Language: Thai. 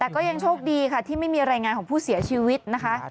แต่ก็ยังโชคดีค่ะที่ไม่มีรายงานของผู้เสียชีวิตนะคะ